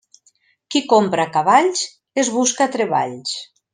Qui compra cavalls es busca treballs.